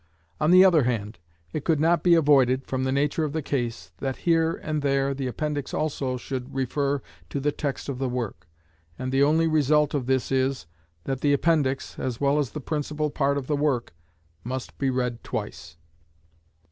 On the other hand, it could not be avoided, from the nature of the case, that here and there the appendix also should refer to the text of the work; and the only result of this is, that the appendix, as well as the principal part of the work, must be read twice.